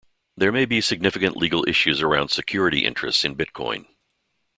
There may be significant legal issues around security interests in Bitcoin.